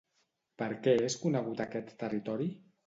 Per què és conegut aquest territori?